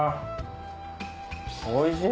おいしい！